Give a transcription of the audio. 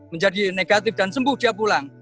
menjadi negatif dan sembuh setiap bulan